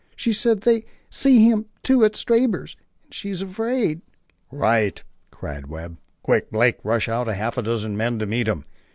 She says they see him, too at Stabber's and she's afraid " "Right!" cried Webb. "Quick, Blake; rush out half a dozen men to meet him.